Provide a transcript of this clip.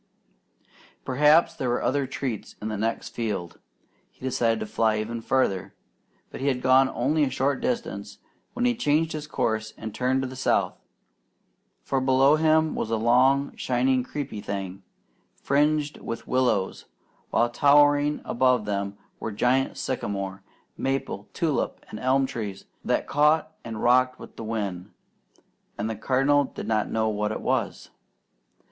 Perhaps there were other treats in the next field. He decided to fly even farther. But he had gone only a short distance when he changed his course and turned to the South, for below him was a long, shining, creeping thing, fringed with willows, while towering above them were giant sycamore, maple, tulip, and elm trees that caught and rocked with the wind; and the Cardinal did not know what it was.